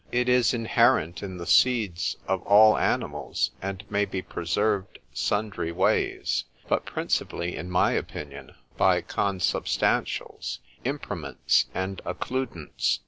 —It is inherent in the seeds of all animals, and may be preserved sundry ways, but principally in my opinion by consubstantials, impriments, and _occludents.